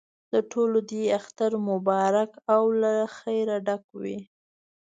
د ټولو دې اختر مبارک او له خیره ډک وي.